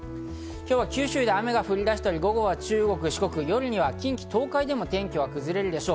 今日は九州で雨が降り出したり、午後は中国、四国、夜には近畿、東海でも天気は崩れるでしょう。